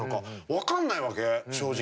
分かんないわけ正直。